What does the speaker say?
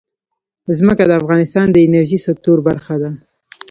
ځمکه د افغانستان د انرژۍ سکتور برخه ده.